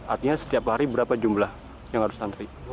artinya setiap hari berapa jumlah yang harus antri